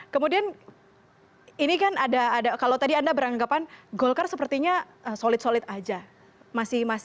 kemudian ini kan ada kalau tadi anda beranggapan golkar sepertinya solid solid saja